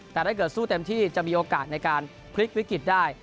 แต่ถ้าเกิดสู้เต็มที่จะมีโอกาสในการพลิกวิกฤตได้